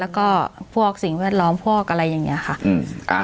แล้วก็พวกสิ่งแวดล้อมพวกอะไรอย่างนี้ค่ะ